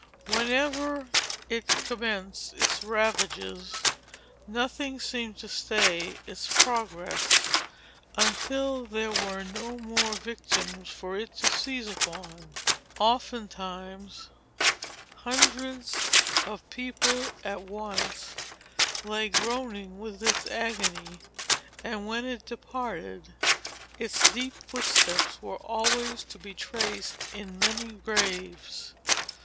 Whenever it commenced its ravages, nothing seemed to stay its progress, until there were no more victims for it to seize upon. Oftentimes, hundreds of people, at once, lay groaning with its agony; and when it departed, its deep footsteps were always to be traced in many graves.